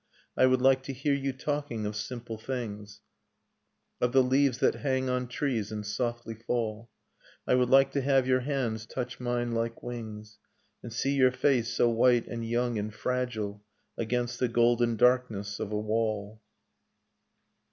. I would like to hear you talking of simple things, Sonata in Pathos Of the leaves that hang on trees and softly fall : I would like to have your hands touch mine like wings, And see your face, so white and young and fragile. Against the golden darkness of a wall.